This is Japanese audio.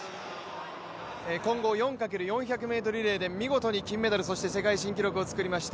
混合４×１００ｍリレーで見事優勝そして世界新記録を作りました